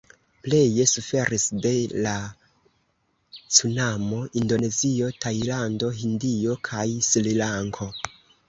Pleje suferis de la cunamo Indonezio, Tajlando, Hindio kaj Srilanko.